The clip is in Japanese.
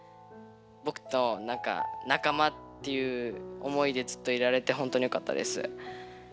ぼくとなんか仲間っていう思いでずっといられてほんとによかったです。